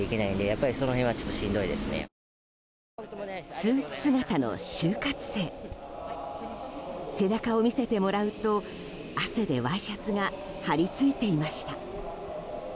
スーツ姿の就活生背中を見せてもらうと汗でワイシャツが張り付いていました。